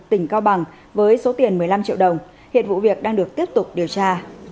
tỉnh cao bằng với số tiền một mươi năm triệu đồng hiện vụ việc đang được tiếp tục điều tra